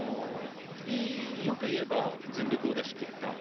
よく言えば全力を出しきった。